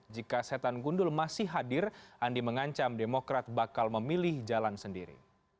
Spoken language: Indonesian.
jika setan gundul masih hadir andi mengancam demokrat bakal memilih jalan sendiri